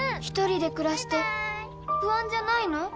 一人で暮らして不安じゃないの？